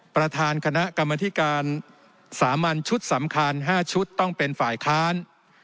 ประธานคณะกรรมธิการสามัญชุดสำคัญ๕ชุดต้องเป็นฝ่ายค้าน